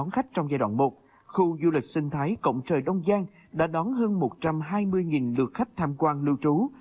khách trong giai đoạn một khu du lịch sinh thái cộng trời đông giang đã đón hơn một trăm hai mươi lượt khách tham quan lưu trú